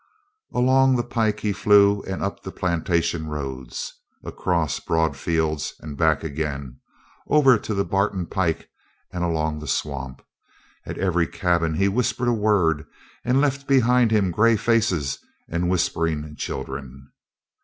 Along the pike he flew and up the plantation roads. Across broad fields and back again, over to the Barton pike and along the swamp. At every cabin he whispered a word, and left behind him grey faces and whispering children.